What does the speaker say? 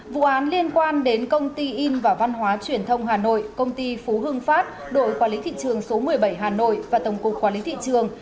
vụ án liên quan đến công ty in và văn hóa truyền thông hà nội công ty phú hưng phát đội quản lý thị trường số một mươi bảy hà nội và tổng cục quản lý thị trường